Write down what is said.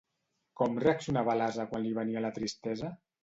Com reaccionava l'ase quan li venia la tristesa?